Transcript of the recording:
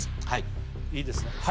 はいいいですね